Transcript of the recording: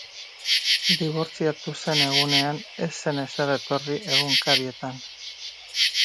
Dibortziatu zen egunean ez zen ezer etorri egunkarietan.